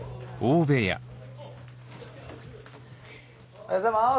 おはようございます。